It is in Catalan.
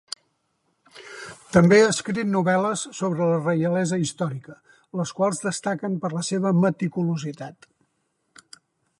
També ha escrit novel·les sobre la reialesa històrica, les quals destaquen per la seva meticulositat.